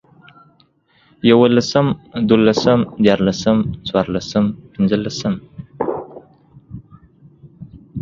يوولسم، دوولسم، ديارلسم، څلورلسم، پنځلسم